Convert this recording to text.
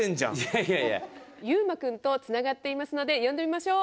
ゆうまくんとつながっていますので呼んでみましょう。